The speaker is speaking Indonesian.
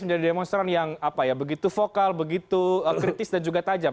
menjadi demonstran yang begitu vokal begitu kritis dan juga tajam